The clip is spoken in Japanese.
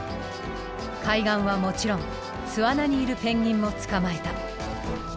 海岸はもちろん巣穴にいるペンギンも捕まえた。